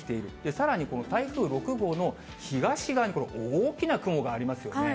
さらにこの台風６号の東側にこれ、大きな雲がありますよね。